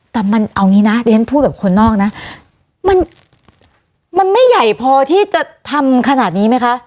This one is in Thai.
แต่มันเอางี้นะเดี๋ยวฉันพูดแบบคนนอกนะมันไม่ใหญ่พอที่จะทำขนาดนี้ไหมคะ